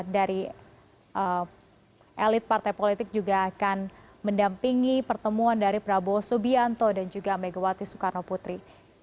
dari elit partai politik juga akan mendampingi pertemuan dari prabowo subianto dan juga megawati soekarno putri